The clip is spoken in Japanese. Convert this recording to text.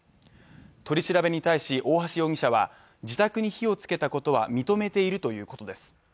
取り調べに対し大橋容疑者は、自宅に火をつけたことは認めているということです。